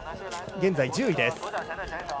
現在１０位です。